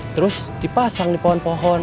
terus dipasang di pohon pohon